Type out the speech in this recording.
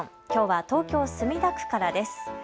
きょうは東京墨田区からです。